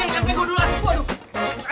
eh eh eh gue duluan gue duluan